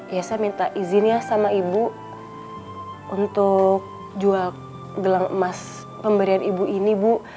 ya saya minta izin ya sama ibu untuk jual gelang emas pemberian ibu ini bu